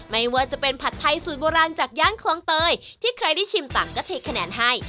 ไม่ว่าจะเป็นผัดไทยสูตรโบราณจากย่านคลองเตยที่ใครได้ชิมต่างก็เทคะแนนให้